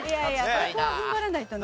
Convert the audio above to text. ここは踏ん張らないとね。